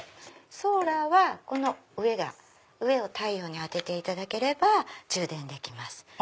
ソーラーはこの上を太陽に当てていただければ充電できます。